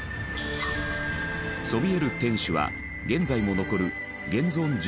そびえる天守は現在も残る現存１２天守の一つ。